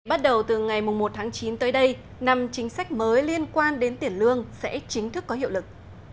bắt đầu từ ngày một tháng chín tới đây năm chính sách mới liên quan đến tiền lương sẽ chính thức có hiệu lực